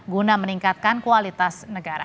guna meningkatkan kualitas negara